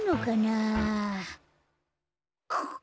あっ？